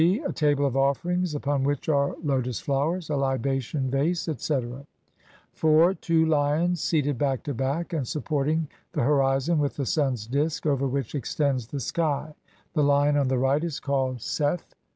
A table of offerings upon which are lotus flowers, a libation vase, etc. IV. Two lions seated back to back and supporting the horizon with the sun's disk, over which extends the skv ; the lion on the right is called Sef, i.